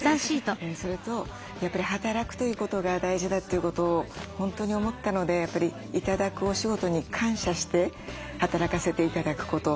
それとやっぱり働くということが大事だということを本当に思ったのでやっぱり頂くお仕事に感謝して働かせて頂くこと。